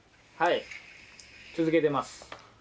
はい続けてます。